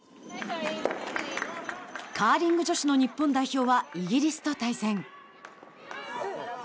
カーリング女子の日本代表はイギリスと対戦。